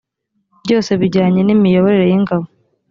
byose bijyanye n imiyoborere y ingabo